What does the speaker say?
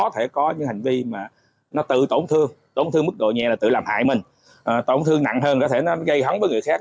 tổn thương mức độ nhẹ là tự làm hại mình tổn thương nặng hơn có thể nó gây hấn với người khác